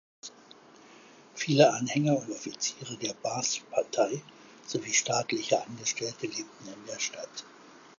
Viele Anhänger und Offiziere der Baath-Partei sowie staatliche Angestellte lebten in der Stadt.